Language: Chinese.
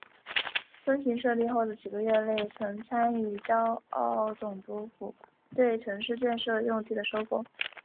分行设立后的几个月内曾参与胶澳总督府对城市建设用地的收购。